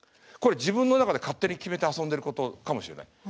これ自分の中で勝手に決めて遊んでることかもしれない。